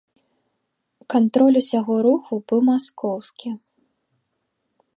Кантроль усяго руху быў маскоўскі!